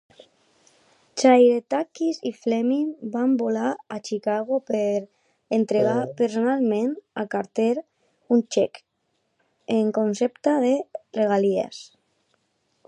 Chairetakis i Fleming van volar a Chicago per entregar personalment a Carter un xec en concepte de regalies.